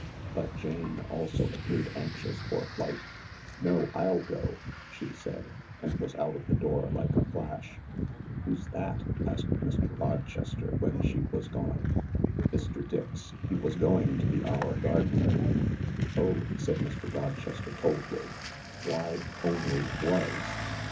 But Jane also appeared anxious for flight. 14 No — I'll go," she said, and was out of the door like a flash. "Who's that?" asked Mr. Rochester, when she was gone. " Mr. Dix. He was going to be our gardener." "Oh," said Mr. Rochester coldly; "why only 'was